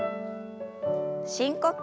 深呼吸。